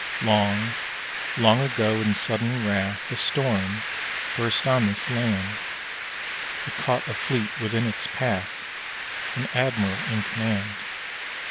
Long, long ago, in sudden wrath A storm burst on this land; It caught a fleet within its path An admiral in command.